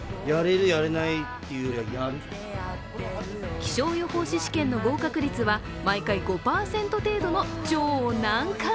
気象予報士試験の合格率は毎回５％程度の超難関。